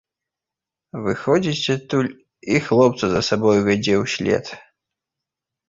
Выходзіць адтуль і хлопца за сабою вядзе ўслед.